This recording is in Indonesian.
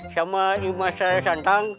sama ima sera santang